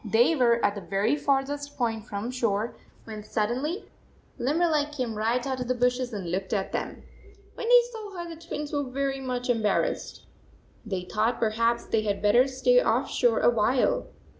They were at the very farthest point from shore, when sud denly Limberleg came right out of the bushes and looked at them! When they saw her, the Twins were very much em barrassed. They thought perhaps they had better stay off shore a while.